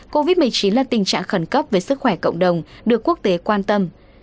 covid một mươi chín là tình trạng khẩn cấp về sức khỏe cộng đồng được quốc tế quan tâm